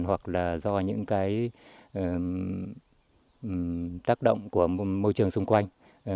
hoặc là do những cái tác động của môi trường xung quanh